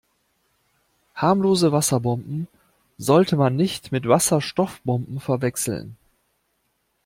Harmlose Wasserbomben sollte man nicht mit Wasserstoffbomben verwechseln.